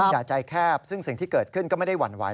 อย่าใจแคบซึ่งสิ่งที่เกิดขึ้นก็ไม่ได้หวั่นไหว